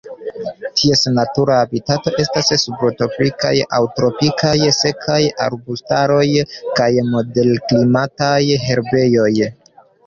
Ties natura habitato estas subtropikaj aŭ tropikaj sekaj arbustaroj kaj moderklimataj herbejoj.